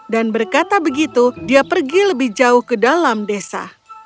dan berkata begitu dia pergi lebih jauh ke dalam desa